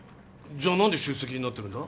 じゃあ何で出席になってるんだ？